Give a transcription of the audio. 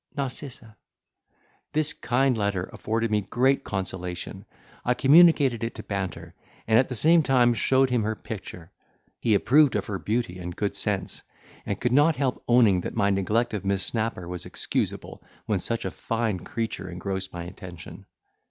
"N—." This kind letter afforded me great consolation: I communicated it to Banter, and, at the same time, showed him her picture: he approved of her beauty and good sense, and could not help owning that my neglect of Miss Snapper was excusable, when such a fine creature engrossed my attention.